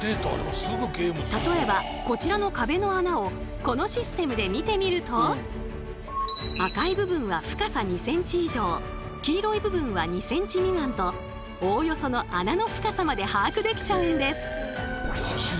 例えばこちらの壁の穴をこのシステムで見てみると赤い部分は深さ２ｃｍ以上黄色い部分は２ｃｍ未満とおおよその穴の深さまで把握できちゃうんです！